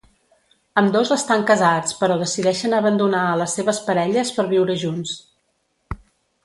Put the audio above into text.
Ambdós estan casats però decideixen abandonar a les seves parelles per viure junts.